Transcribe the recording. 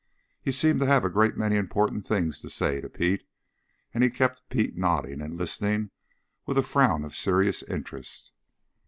He seemed to have a great many important things to say to Pete, and he kept Pete nodding and listening with a frown of serious interest.